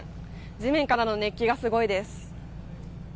地面からの熱気がすごいです。